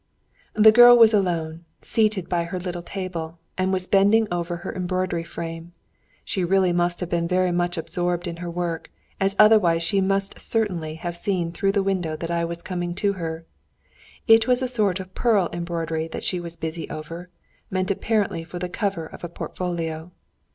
The girl was alone, seated by her little table, and was bending over her embroidery frame. She really must have been very much absorbed in her work, as otherwise she must certainly have seen through the window that I was coming to her. It was a sort of pearl embroidery that she was busy over, meant apparently for the cover of a portfolio.